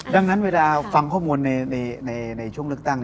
ดังนั้นเวลาฟังข้อมูลในช่วงเลือกตั้ง